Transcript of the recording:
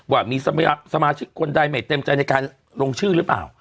ว่ามีสมาชิกคนใดไม่เต็มใจในการลงชื่อหรือเปล่า